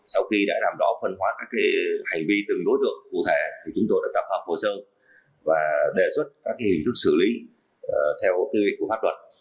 sau khi đã làm rõ phân hóa các hành vi từng đối tượng cụ thể chúng tôi đã tập hợp hồ sơ và đề xuất các hình thức xử lý theo tư lịch của pháp luật